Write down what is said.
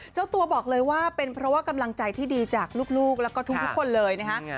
เจ้าตัวบอกเลยว่าเป็นเพราะว่ากำลังใจที่ดีจากลูกแล้วก็ทุกคนเลยนะฮะ